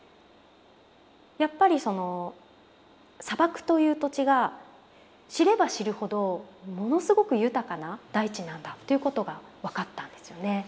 やっぱりその砂漠という土地が知れば知るほどものすごく豊かな大地なんだということが分かったんですよね。